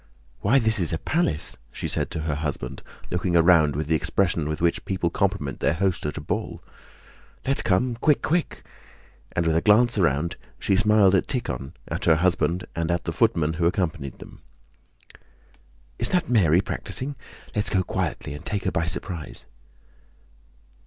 "Why, this is a palace!" she said to her husband, looking around with the expression with which people compliment their host at a ball. "Let's come, quick, quick!" And with a glance round, she smiled at Tíkhon, at her husband, and at the footman who accompanied them. "Is that Mary practicing? Let's go quietly and take her by surprise."